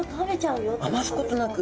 余すことなく。